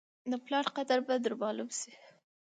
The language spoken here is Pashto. د پلار قدر به در معلوم شي !